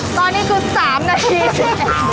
ตอนนี้คือ๓นาที